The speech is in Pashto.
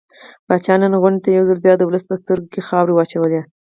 پاچا نن غونډې ته يو ځل بيا د ولس په سترګو کې خاورې واچولې.